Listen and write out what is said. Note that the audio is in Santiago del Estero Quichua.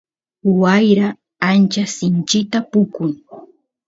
wayra ancha sinchita pukun